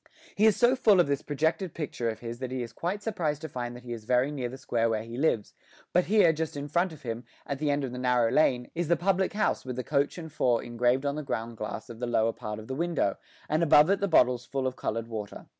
He is so full of this projected picture of his that he is quite surprised to find that he is very near the square where he lives; but here, just in front of him, at the end of the narrow lane, is the public house with the coach and four engraved on the ground glass of the lower part of the window, and above it the bottles full of coloured water.